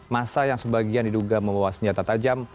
masa yang sebagian diduga membawa senjata tajam